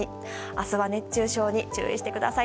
明日は熱中症に注意してください。